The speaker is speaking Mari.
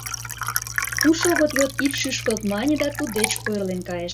Куш огыт йод — ит шӱшкылт, — мане да туддеч ойырлен кайыш.